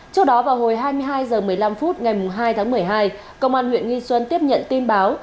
trước đó vào hồi hai mươi hai h một mươi năm phút ngày hai tháng một mươi hai công an huyện nghi xuân tiếp nhận tin báo